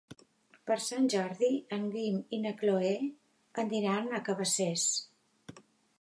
Per Sant Jordi en Guim i na Cloè aniran a Cabacés.